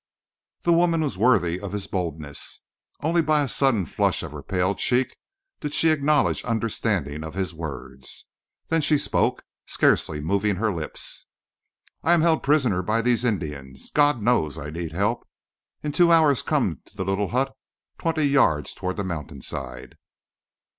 The woman was worthy of his boldness. Only by a sudden flush of her pale cheek did she acknowledge understanding of his words. Then she spoke, scarcely moving her lips. "I am held a prisoner by these Indians. God knows I need help. In two hours come to the little hut twenty yards toward the Mountainside.